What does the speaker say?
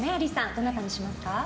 どなたにしますか？